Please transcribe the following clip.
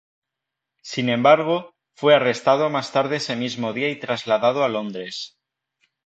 Sin embargo, fue arrestado más tarde ese mismo día y trasladado a Londres.